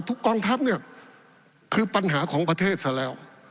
กองทัพเนี่ยคือปัญหาของประเทศซะแล้ว